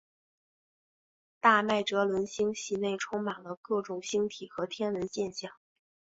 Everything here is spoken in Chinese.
大麦哲伦星系内充满了各种星体和天文现象。